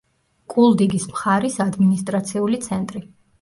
კულდიგის მხარის ადმინისტრაციული ცენტრი.